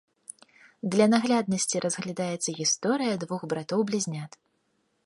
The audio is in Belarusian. Для нагляднасці разглядаецца гісторыя двух братоў-блізнят.